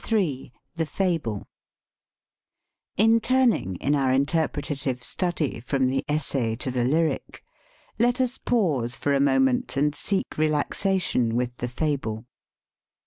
Ill THE FABLE IN turning, in our interpretative study, from the essay to the lyric, let us pause for a moment and seek relaxation with the fable.